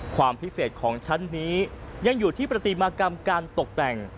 ความพิเศษของชั้นนี้ยังอยู่ที่ปฏิมากรรมการตกแต่ง